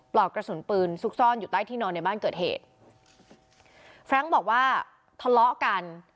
อกกระสุนปืนซุกซ่อนอยู่ใต้ที่นอนในบ้านเกิดเหตุแฟรงค์บอกว่าทะเลาะกัน